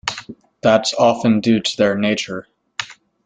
That's often due to their nature.